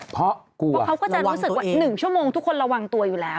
เพราะเขาก็จะรู้สึกว่า๑ชั่วโมงทุกคนระวังตัวอยู่แล้ว